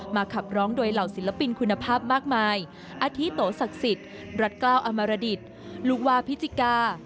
ขับร้องโดยเหล่าศิลปินคุณภาพมากมายอาทิตโตศักดิ์สิทธิ์รัฐกล้าวอมรดิตลูกวาพิจิกา